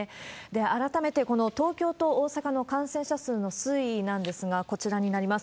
改めてこの東京と大阪の感染者数の推移なんですが、こちらになります。